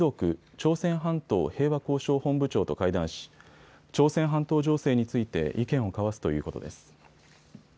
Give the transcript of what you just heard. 朝鮮半島平和交渉本部長と会談し朝鮮半島情勢について意見を交わすということです。